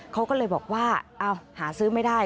เขาก็เลยบอกว่าหาซื้อไม่ได้